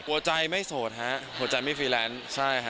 หัวใจไม่โสดฮะหัวใจไม่ฟรีแลนซ์ใช่ฮะ